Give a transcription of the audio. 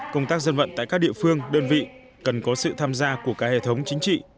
công tác dân vận tại các địa phương đơn vị cần có sự tham gia của các hệ thống chính trị